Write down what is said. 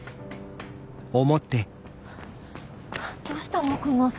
どうしたの？